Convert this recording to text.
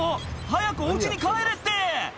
「早くお家に帰れって！」